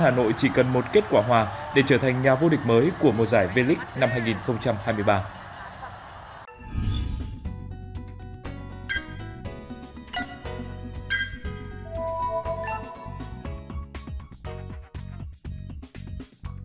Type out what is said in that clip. hà nội chỉ cần một kết quả hòa để trở thành nhà vô địch mới của mùa giải v league năm hai nghìn hai mươi ba